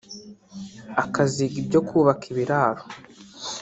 akaziga ibyo kubaka ibiraro